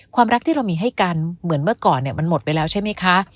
ความรักที่เรามีให้กันเหมือนเมื่อก่อนเนี่ยมันหมดไปแล้วใช่ไหมคะ